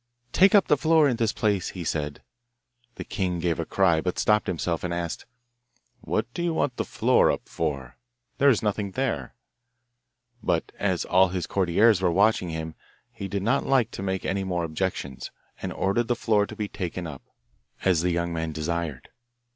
'Take up the floor in this place,' he said. The king gave a cry, but stopped himself, and asked, 'What do you want the floor up for? There is nothing there.' But as all his courtiers were watching him he did not like to make any more objections, and ordered the floor to be taken up, as the young man desired.